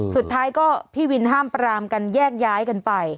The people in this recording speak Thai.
สุดท้ายก็พี่วินห้ามปรามกันแยกย้ายกันไป